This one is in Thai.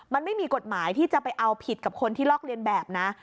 มันไม่มีกฎหมายที่จะไปเอาผิดกับคนที่ลอกเลียนแบบนะ